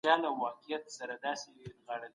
پرمختیا په نسبي ډول ارزوئ.